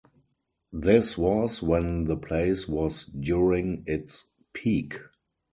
This was when the place was during its peak.